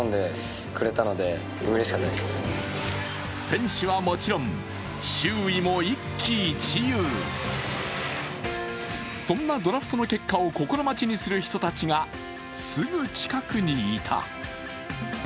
選手はもちろん、周囲も一喜一憂そんなドラフトの結果を心待ちにする人たちが、すぐ近くにいた。